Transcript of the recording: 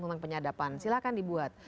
tentang penyadapan silahkan dibuat